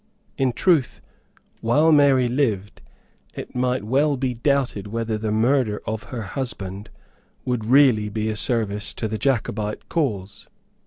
In truth, while Mary lived, it might well be doubted whether the murder of her husband would really be a service to the Jacobite cause.